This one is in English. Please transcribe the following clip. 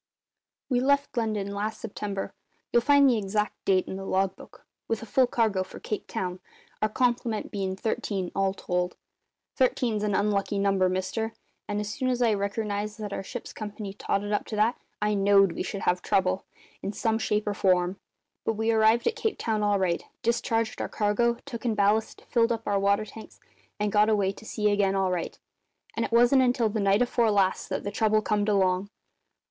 "We left London last September you'll find the exact date in the log book with a full cargo for Cape Town, our complement bein' thirteen, all told. Thirteen's an unlucky number, mister; and as soon as I reckernised that our ship's company totted up to that I knowed we should have trouble, in some shape or form. But we arrived at Cape Town all right; discharged our cargo; took in ballast; filled up our water tanks, and got away to sea again all right; and it wasn't until the night afore last that the trouble comed along.